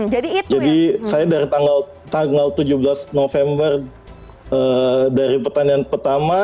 jadi saya dari tanggal tujuh belas november dari pertandingan pertama